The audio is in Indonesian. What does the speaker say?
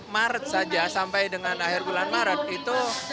dari bulan maret sampai akhir bulan maret